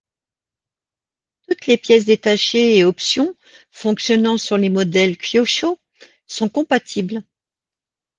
Toutes les pièces détachées et options fonctionnant sur les modèles kyosho sont compatibles.